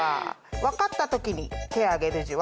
分かった時に手挙げるじわ。